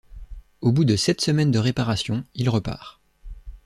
Au bout de sept semaines de réparations, il repart.